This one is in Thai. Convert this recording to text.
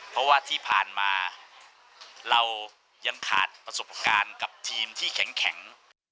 เพราะว่าที่ผ่านมาเรายังขาดประสบการณ์กับทีมที่แข็ง